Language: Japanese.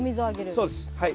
そうですはい。